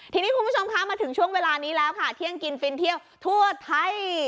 ทีนี้คุณผู้ชมคะมาถึงช่วงเวลานี้แล้วค่ะเที่ยงกินฟินเที่ยวทั่วไทย